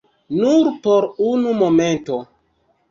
Nur por unu momento.